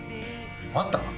また？